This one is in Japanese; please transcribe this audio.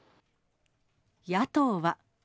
野党は。